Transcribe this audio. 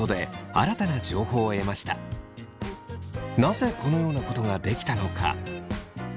なぜこのようなことができたのか。